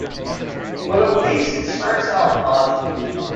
But at least it starts off positive.